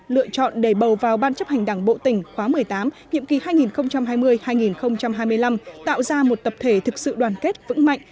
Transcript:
lựa chọn để bầu vào ban chấp hành đảng bộ tỉnh khóa một mươi tám nhiệm kỳ hai nghìn hai mươi hai nghìn hai mươi năm tạo ra một tập thể thực sự đoàn kết vững mạnh